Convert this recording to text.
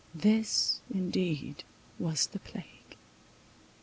This indeed was the plague.